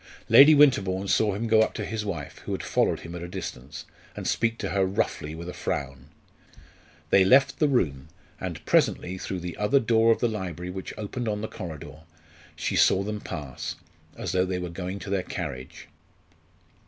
Lady Winterbourne saw him go up to his wife, who had followed him at a distance, and speak to her roughly with a frown. They left the room, and presently, through the other door of the library which opened on the corridor, she saw them pass, as though they were going to their carriage.